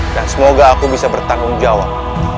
dan semoga aku bisa bertanggung jawab